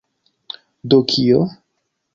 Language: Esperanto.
Do kio?